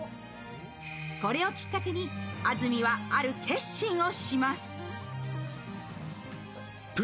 これをきっかけに安住は、ある決心をします。